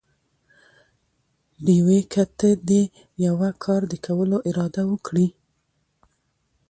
ډېوې!! که ته دې يوه کار د کولو اراده وکړي؟